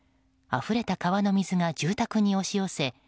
あふれた川の水が住宅に押し寄せ